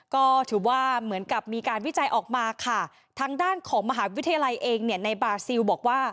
ก็ถือว่าเหมือนกับมีการวิจัยออกมาค่ะทางด้านของมหาวิทยาลัยเองเนี่ยในบาซิลบอกว่า